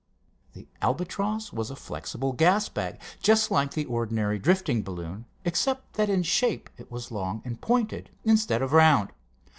The Albatross was a flexible gas bag, just like the ordinary drifting balloon, except that in shape it was long and pointed, instead of round.